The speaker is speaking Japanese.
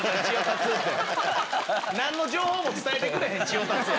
何の情報も伝えてくれへんちおたつや。